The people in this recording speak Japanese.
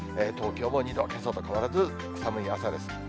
東京も２度、けさと変わらず、寒い朝です。